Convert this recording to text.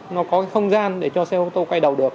nó có cái không gian để cho xe ô tô quay đầu được